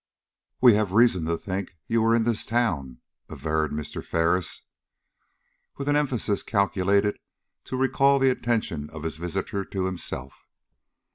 "We have reason to think you were in this town," averred Mr. Ferris, with an emphasis calculated to recall the attention of his visitor to himself.